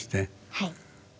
はい。